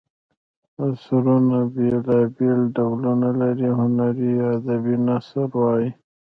نثرونه بېلا بېل ډولونه لري هنري یا ادبي نثر وايي.